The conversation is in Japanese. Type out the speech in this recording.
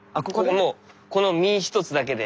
もうこの身一つだけで。